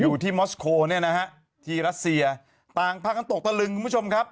มอสโคเนี่ยนะฮะที่รัสเซียต่างพากันตกตะลึงคุณผู้ชมครับ